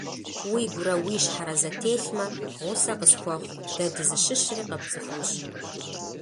Уигурэ уи щхьэрэ зэтелъмэ, гъусэ къысхуэхъу, дэ дызыщыщри къэпцӀыхунщ.